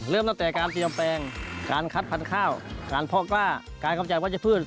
เริ่มตั้งแต่การเตรียมแปลงการคัดพันธุ์ข้าวการเพาะกล้าการกำจัดวัชพืช